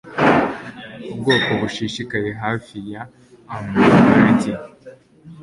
Ubwoko bushishikaye hafi ya amiability